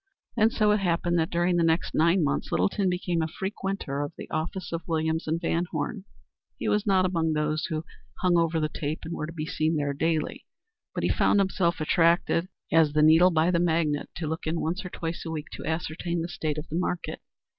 And so it happened that during the next nine months Littleton became a frequenter of the office of Williams & VanHorne. He was not among those who hung over the tape and were to be seen there daily; but he found himself attracted as the needle by the magnet to look in once or twice a week to ascertain the state of the market.